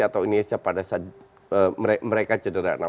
yang menangkan iniesta pada saat mereka cederanya